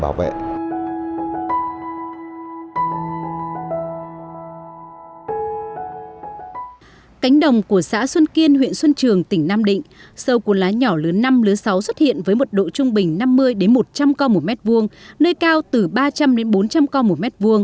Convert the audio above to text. ở xã xuân kiên huyện xuân trường tỉnh nam định sâu cuốn lá nhỏ lứa năm lứa sáu xuất hiện với một độ trung bình năm mươi một trăm linh co một m hai nơi cao từ ba trăm linh bốn trăm linh co một m hai